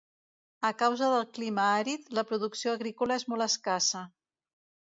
A causa del clima àrid, la producció agrícola és molt escassa.